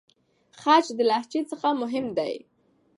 خج د لهجې څخه مهم دی.